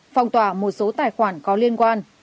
phong tỏa một số tài khoản có liên quan